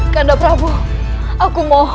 kanda prabu aku mohon